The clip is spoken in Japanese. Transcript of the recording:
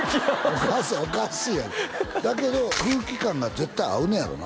おかしいおかしいやんだけど空気感が絶対合うねやろな？